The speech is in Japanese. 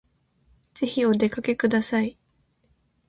ぜひお出かけください